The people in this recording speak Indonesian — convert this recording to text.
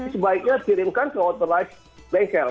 sebaiknya kirimkan ke autorize bengkel